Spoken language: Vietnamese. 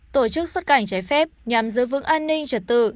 tổ chức xuất cảnh trái phép nhằm giữ vững an ninh trật tự